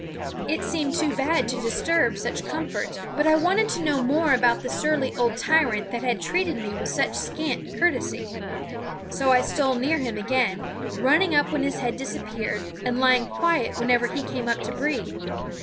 It seemed too bad to disturb such comfort, but I wanted to know more about the surly old tyrant that had treated me with such scant courtesy; so I stole near him again, 279 7Ae Mighty SCHOOL OJF 280 running up when his head disappeared, and lying quiet whenever he came up to breathe.